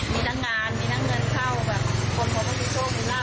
มีทั้งงานมีทั้งเงินเข้าแบบคนเขาก็ซื้อโชคดูหน้า